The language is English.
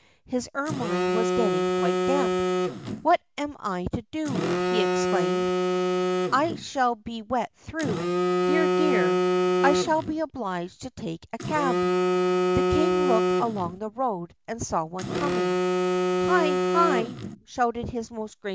His ermine was getting quite damp. "What am I to do?" he exclaimed. "I shall be wet through. Dear! dear! I shall be obliged to take a cab." The king looked along the road, and saw one coming. "Hi! hi!"